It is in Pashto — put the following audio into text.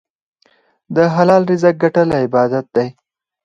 د حلال رزق ګټل عبادت دی.